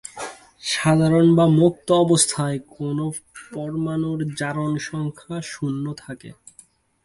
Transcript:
সাধারণ বা মুক্ত অবস্থায় কোনো পরমাণুর জারণ সংখ্যা শূন্য থাকে।